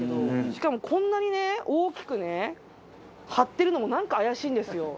しかもこんなにね大きくね貼ってるのもなんか怪しいんですよ。